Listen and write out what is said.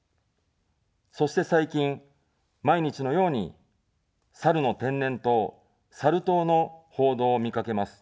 そして、最近、毎日のようにサルの天然痘、サル痘の報道を見かけます。